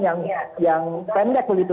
yang pendek begitu